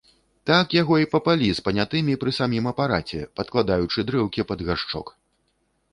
Так яго й папалі з панятымі пры самым апараце, падкладаючы дрэўкі пад гаршчок.